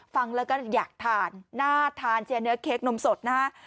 ฟังแล้วก็อยากทานน่าทานเจียเนื้อเค้กนมสดนะฮะ